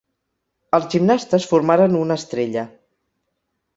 Els gimnastes formaren una estrella.